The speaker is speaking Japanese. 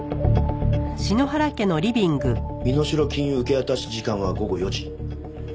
身代金受け渡し時間は午後４時。